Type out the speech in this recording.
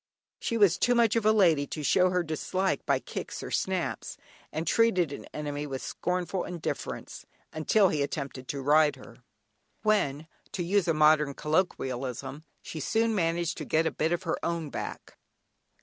She was too much of a lady to show her dislike by kicks or snaps, and treated an enemy with scornful indifference until he attempted to ride her, when (to use a modern colloquialism) she soon managed to get a bit of her own back.